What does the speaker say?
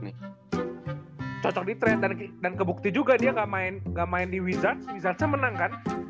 nih cocok di trade dan kebukti juga dia gak main gak main di wizards wizardsnya menang kan